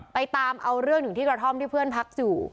ไปตามเอาเรื่องถึงที่กระท่อมที่เพื่อนพักอยู่